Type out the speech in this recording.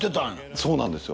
そうなんですよ。